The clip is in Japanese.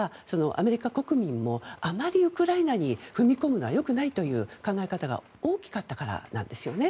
、アメリカ国民もあまりウクライナに踏み込むのはよくないという考え方が大きかったからなんですね。